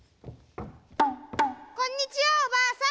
こんにちはおばあさん。